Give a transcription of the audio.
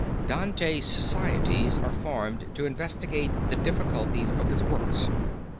Dante Societies are formed to investigate the difficulties of his works.